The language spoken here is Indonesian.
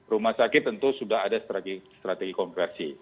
rumah sakit tentu sudah ada strategi konversi